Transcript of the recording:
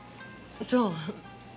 そう。